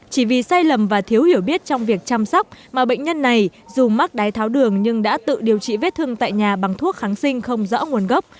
chỉ vì sai lầm và thiếu hiểu biết trong việc chăm sóc mà bệnh nhân này dù mắc đái tháo đường nhưng đã tự điều trị vết thương tại nhà bằng thuốc kháng sinh không rõ nguồn gốc